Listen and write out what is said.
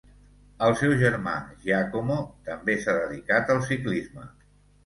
El seu germà Giacomo també s'ha dedicat al ciclisme.